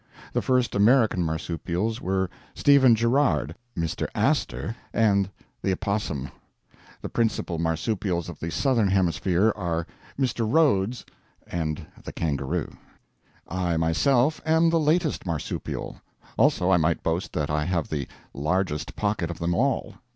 The first American marsupials were Stephen Girard, Mr. Astor and the opossum; the principal marsupials of the Southern Hemisphere are Mr. Rhodes, and the kangaroo. I, myself, am the latest marsupial. Also, I might boast that I have the largest pocket of them all.